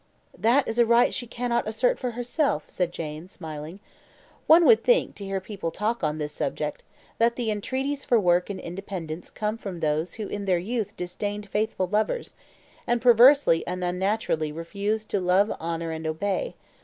"That is a right she cannot assert for herself," said Jane, smiling. "One would think, to hear people talk on this subject, that the entreaties for work and independence come from those who in their youth disdained faithful lovers, and perversely and unnaturally refused to love, honour, and obey.